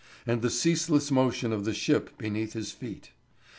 And the ceaseless motion of the ship beneath his feet.